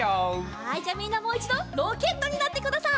はいじゃあみんなもういちどロケットになってください。